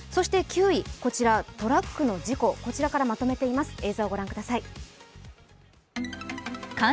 ９位、トラックの事故、こちらからまとめています。